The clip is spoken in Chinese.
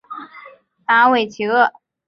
达韦齐厄。